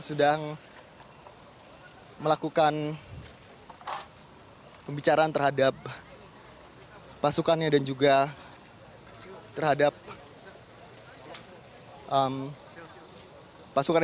sedang melakukan pembicaraan terhadap pasukannya dan juga terhadap pasukan